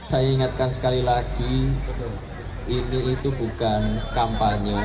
saya ingatkan sekali lagi ini itu bukan kampanye